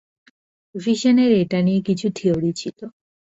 Vision এর এটা নিয়ে কিছু থিওরি ছিল।